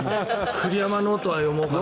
「栗山ノート」は読もうかなと。